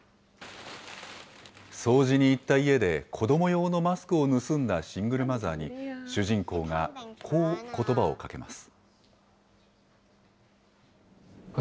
掃除に行った家で子ども用のマスクを盗んだシングルマザーに、主人公がこうことばをかけます。